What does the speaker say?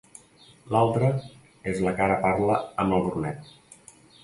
L'altra és la que ara parla amb el Brunet.